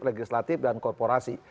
legislatif dan korporasi